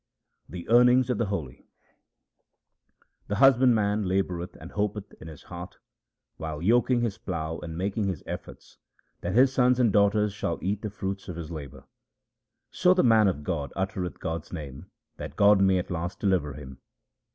The earnings of the holy :— The husbandman laboureth and hopeth in his heart, While yoking his plough and making his efforts, that his sons and daughters shall eat the fruits of his labour ; So the man of God uttereth God's name that God may at last deliver him.